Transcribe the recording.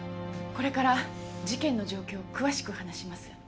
これから事件の状況を詳しく話します。